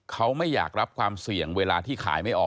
เขาไม่อยากรับความเสี่ยงเวลาที่ขายไม่ออก